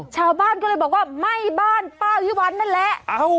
ชาวบ้านก็เลยบอกว่าไหม้บ้านป้าวิวัลนั่นแหละ